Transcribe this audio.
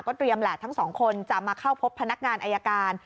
เตรียมแหละทั้งสองคนจะมาเข้าพบพนักงานอายการ